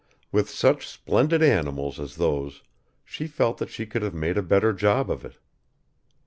With such splendid animals as those she felt that she could have made a better job of it.